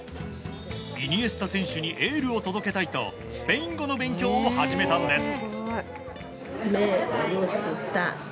イニエスタ選手にエールを届けたいとスペイン語の勉強を始めたのです。